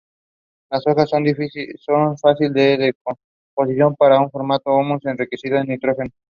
Las hojas, son de fácil descomposición para formar un humus enriquecido en nitrógeno.